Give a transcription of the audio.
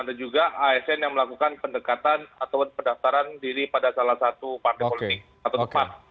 ada juga asn yang melakukan pendekatan atau pendaftaran diri pada salah satu partai politik atau tepat